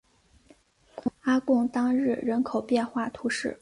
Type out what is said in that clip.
阿贡当日人口变化图示